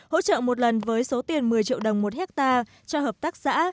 hỗ trợ một lần với số tiền một mươi triệu đồng một hectare cho hợp tác xã